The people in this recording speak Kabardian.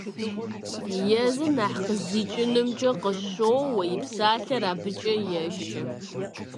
Езыр нэхъ къыздикӀынумкӀэ къыщоуэ, и псалъэр абыкӀэ ешэ.